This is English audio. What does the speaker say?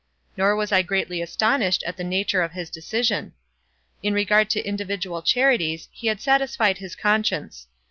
Nor was I greatly astonished at the nature of his decision. In regard to individual charities he had satisfied his conscience.